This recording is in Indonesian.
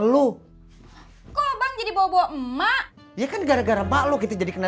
lo mau kemana